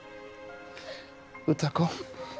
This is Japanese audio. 歌子。